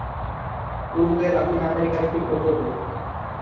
Uruguay Latin আমেরিকার একটি ক্ষুদ্র দেশ।